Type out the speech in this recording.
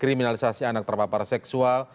kriminalisasi anak terpapar seksual